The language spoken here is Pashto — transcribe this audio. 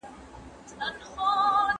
کرکه او تعصب باید له منځه ولاړ سي.